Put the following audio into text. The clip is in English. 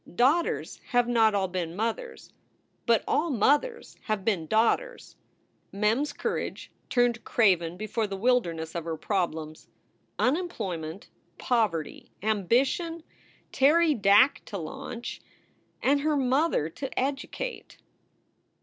Daughters have not all been mothers, but all mothers have been daugh ters. Mem s courage turned craven before the wilderness of her problems, unemployment, poverty, ambition, Terry Dack to launch, and her mother to educate.